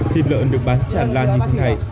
thịt lợn được bán chẳng là những thứ này